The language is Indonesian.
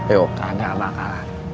eh oh kagak bakal